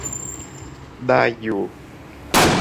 ได้อยู่